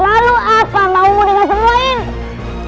lalu apa maumu dengan semuanya